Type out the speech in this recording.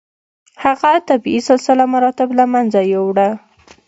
هغه طبیعي سلسله مراتب له منځه یووړه.